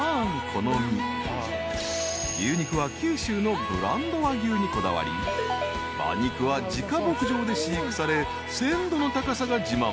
［牛肉は九州のブランド和牛にこだわり馬肉は自家牧場で飼育され鮮度の高さが自慢］